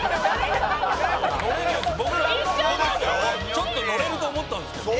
「僕らもちょっと乗れると思ったんですけど」